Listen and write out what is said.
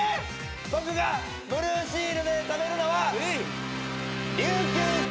僕がブルーシールで食べるのは。